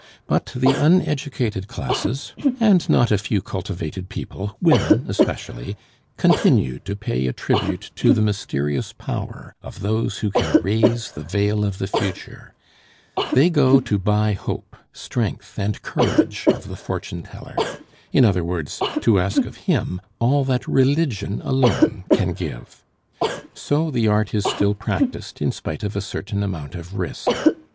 But the uneducated classes, and not a few cultivated people (women especially), continue to pay a tribute to the mysterious power of those who can raise the veil of the future; they go to buy hope, strength, and courage of the fortune teller; in other words, to ask of him all that religion alone can give. So the art is still practised in spite of a certain amount of risk.